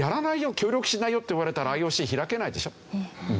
「協力しないよ」って言われたらＩＯＣ開けないでしょ。